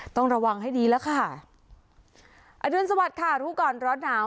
ต้องระวังให้ดีแล้วค่ะอรุณสวัสดิ์ค่ะรู้ก่อนร้อนหนาว